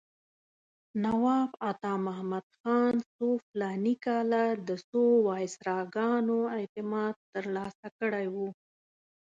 نواب عطامحمد خان څو فلاني کاله د څو وایسراګانو اعتماد ترلاسه کړی و.